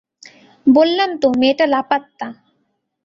বললাম তো, মেয়েটা লাপাত্তা।